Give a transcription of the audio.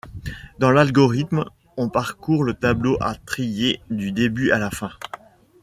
Dans l'algorithme, on parcourt le tableau à trier du début à la fin.